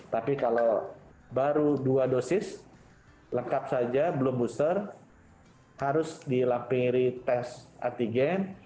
tapi kalau baru dua dosis lengkap saja belum booster harus dilampiri tes antigen